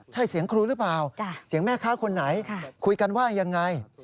ใช่เสียงครูหรือเปล่าเสียงแม่ค้าคนไหนคุยกันว่ายังไง